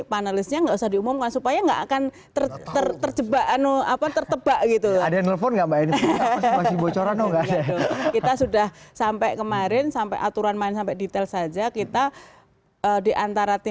maksudnya mereka harus mengerti